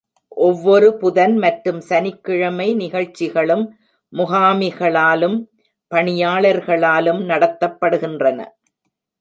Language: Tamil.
ஒவ்வொரு புதன் மற்றும் சனிக்கிழமை நிகழ்ச்சிகளும் முகாமிகளாலும் பணியாளர்களாலும் நடத்தப்படுகின்றன.